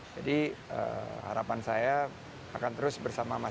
jadi harapan saya akan terus bersama masyarakat